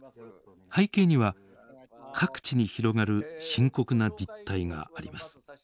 背景には各地に広がる深刻な実態があります。